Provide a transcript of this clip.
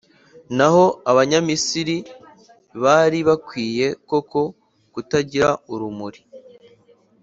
Naho Abanyamisiri bari bakwiye koko kutagira urumuri,